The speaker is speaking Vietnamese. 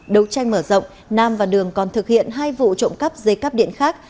đấu tranh mở rộng nam và đường còn thực hiện hai vụ trộm cắp dây cắp điện khác